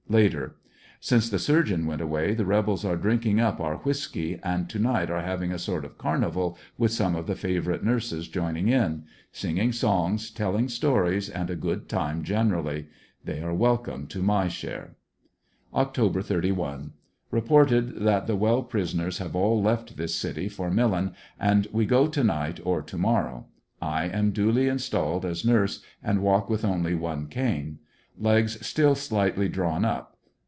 Later— Since the surgeon went away the rebels are drinkins: up our whis key, and to night are having a sort of carnival, with some of the favorite nurses joining in; singing songs, tellinor stories, and a good time generally. They are welcome to my share. Oct. 31, — Reported that the well prisoners have all left this city for Millen and we go to night or to morrow. I am duly installed as nurse, and walk with only one cane. Legs stdl slightly drawn up.